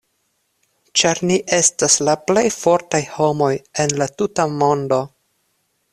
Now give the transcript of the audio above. Ĉar ni estas la plej fortaj homoj en la tuta mondo.